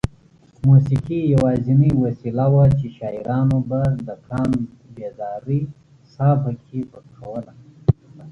موسېقي یوازینۍ وسیله وه چې شاعرانو به د قام بیدارۍ ساه پکې پو کوله.